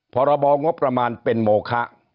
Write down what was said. พรบงบประมาณเป็นโมคะ